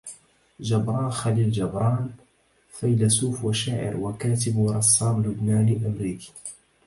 جبران خليل جبران فيلسوف وشاعر وكاتب ورسام لبناني أمريكي